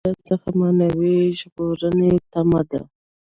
دا له چا څخه معنوي ژغورنې تمه ده.